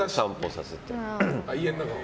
家の中を？